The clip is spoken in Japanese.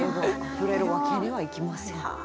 「溢れるわけにはいきません」。